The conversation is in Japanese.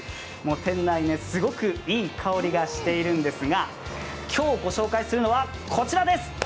店内すごくいい香りがしているんですが、今日御紹介するのは、こちらです。